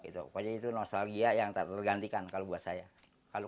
pokoknya itu nostalgia yang tak tergantikan kalau buat saya